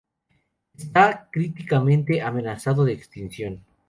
Está críticamente amenazado de extinción.